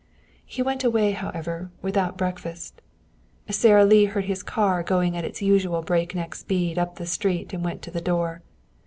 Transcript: He went away, however, without breakfast. Sara Lee heard his car going at its usual breakneck speed up the street, and went to the door.